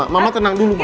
mama tenang dulu